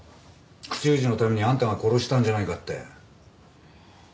口封じのためにあんたが殺したんじゃないかって。